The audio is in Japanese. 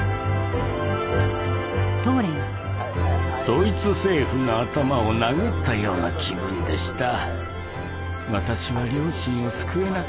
ドイツ政府の頭を殴ったような気分でした。